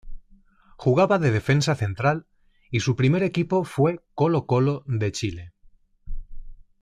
Jugaba de defensa central y su primer equipo fue Colo-Colo de Chile.